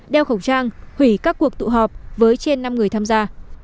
đeo khẩu trang hủy các cuộc tụ họp với trên năm người tham gia